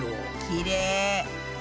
きれい。